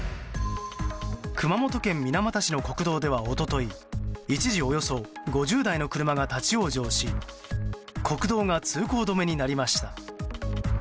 熊本県水俣市の国道では一昨日一時およそ５０台の車が立ち往生し国道が通行止めになりました。